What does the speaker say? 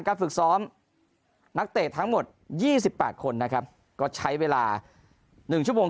ฝึกซ้อมนักเตะทั้งหมด๒๘คนนะครับก็ใช้เวลา๑ชั่วโมง